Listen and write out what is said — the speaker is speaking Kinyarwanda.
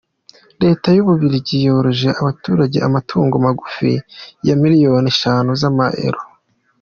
Leta y’u Bubiligi yoroje abaturage amatungo magufi ya miliyoni eshanu z’amayero